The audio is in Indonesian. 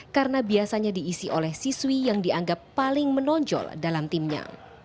karena biasanya diisi oleh siswi yang dianggap paling menonjol dalam timnya